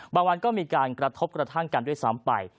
บางวันก็มีการกระทบกระทั่งกันด้วยซ้ำไป